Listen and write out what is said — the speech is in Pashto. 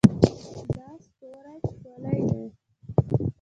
دا ستوری ښکلی ده